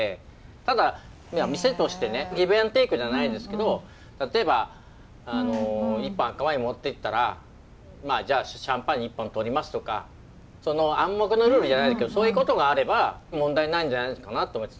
ただ店としてねギブアンドテイクじゃないですけど例えば１本赤ワイン持っていったらじゃあシャンパン１本取りますとかその暗黙のルールじゃないですけどそういうことがあれば問題ないんじゃないのかなと思います。